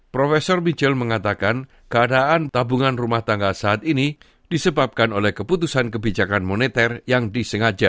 profesor michel mengatakan keadaan tabungan rumah tangga saat ini disebabkan oleh keputusan kebijakan moneter yang disengaja